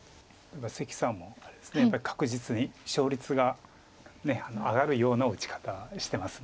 関さんもあれですね確実に勝率が上がるような打ち方してます。